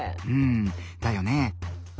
うんだよね。